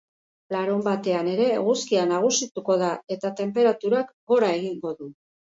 Larunbatean ere eguzkia nagusituko da eta tenperaturak gora egingo du.